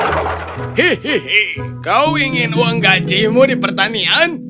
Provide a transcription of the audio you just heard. hehi kau ingin uang gajimu di pertanian